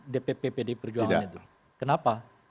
dpp pdi perjuangan itu kenapa